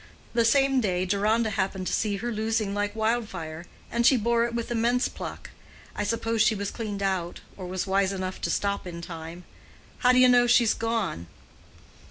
The same day Deronda happened to see her losing like wildfire, and she bore it with immense pluck. I suppose she was cleaned out, or was wise enough to stop in time. How do you know she's gone?"